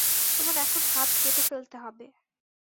তোমার এখন হাত কেটে ফেলতে হবে।